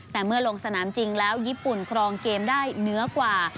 แต่เมื่อลงสนามจริงแล้วญี่ปุ่นครองเกมได้เหนือกว่า